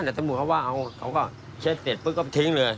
แต่ตำรวจเขาว่าเอาเขาก็เช็ดเสร็จปุ๊บก็ทิ้งเลย